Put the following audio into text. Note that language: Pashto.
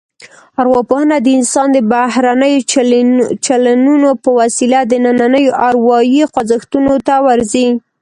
ارواپوهنه د انسان د بهرنیو چلنونو په وسیله دنننیو اروايي خوځښتونو ته ورځي